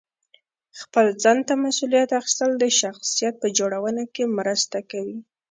خپل ځان ته مسؤلیت اخیستل د شخصیت په جوړونه کې مرسته کوي.